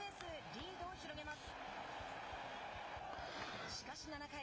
リードを広げます。